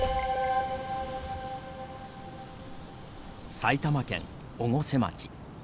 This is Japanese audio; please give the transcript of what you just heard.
埼玉県越生町。